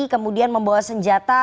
kemudian membawa senjata